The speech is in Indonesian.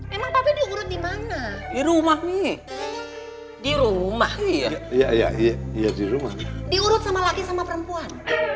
emang diurut di mana di rumah nih di rumah iya iya iya di rumah diurut sama laki sama perempuan